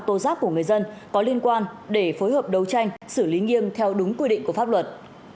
tố giác của người dân có liên quan để phối hợp đấu tranh xử lý nghiêm theo đúng quy định của pháp luật